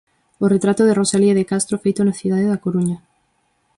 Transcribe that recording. Retrato de Rosalía de Castro feito na cidade da Coruña.